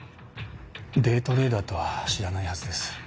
デイトレーダーとは知らないはずです。